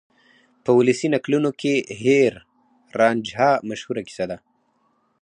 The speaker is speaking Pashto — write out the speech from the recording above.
په ولسي نکلونو کې هیر رانجھا مشهوره کیسه ده.